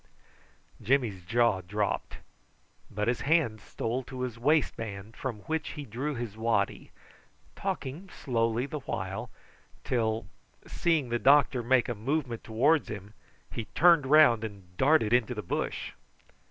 Jimmy's jaw dropped, but his hand stole to his waistband, from which he drew his waddy, talking slowly the while, till, seeing the doctor make a movement towards him, he turned round and darted into the bush.